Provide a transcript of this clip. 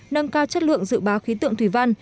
nâng cao chất lượng dự báo khí tượng thủy văn